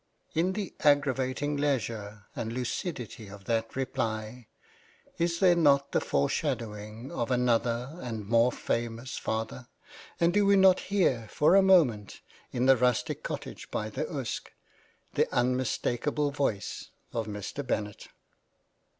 In the aggravating leisure and lucidity of that reply, is there not the foreshadowing of another and more famous father ; and do we not hear for a moment, in the rustic cottage by the Uske, the unmistakable voice of Mr. Bennet